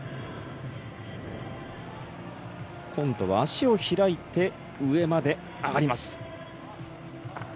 今度は足を開いて上まで上がります。